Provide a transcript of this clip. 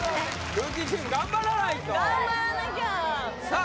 ルーキーチーム頑張らないと頑張らなきゃさあ